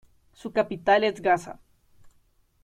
Su capital es Gasa.